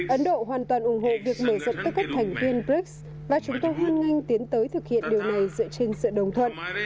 ấn độ hoàn toàn ủng hộ việc mở rộng tư cách thành viên brics và chúng tôi hoan nghênh tiến tới thực hiện điều này dựa trên sự đồng thuận